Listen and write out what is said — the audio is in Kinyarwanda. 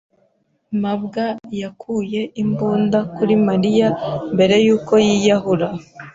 [S] mabwa yakuye imbunda kuri Mariya mbere yuko yiyahura.